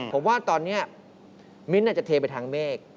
ผมว่าตอนนี้มิ้นท์อาจจะเทไปทางเมฆ